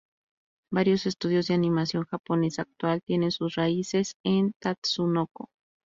Varios estudios de animación japonesa actual tienen sus raíces en Tatsunoko.